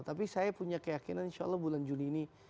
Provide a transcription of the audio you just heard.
tapi saya punya keyakinan insya allah bulan juni ini